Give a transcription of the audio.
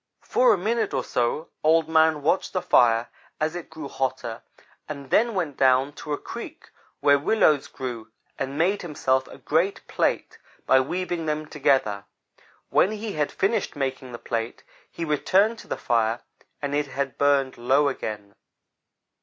"For a minute or so Old man watched the fire as it grew hotter, and then went down to a creek where willows grew and made himself a great plate by weaving them together. When he had finished making the plate, he returned to the fire, and it had burned low again.